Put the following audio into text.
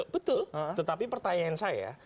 betul tetapi pertanyaan saya